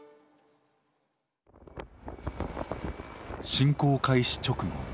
侵攻開始直後